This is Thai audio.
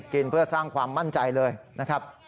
เพื่อสร้างความมั่นใจเลยนะครับ